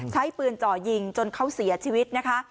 ใช้ปืนจ่อยิงจนเขาเสียชีวิตนะคะ